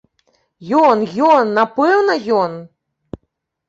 Ён, ён, напэўна, ён!